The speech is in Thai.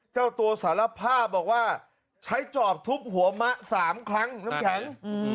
เจ้าตัวสารภาพบอกว่าใช้จอบทุบหัวมะ๓ครั้งน้ำแข็ง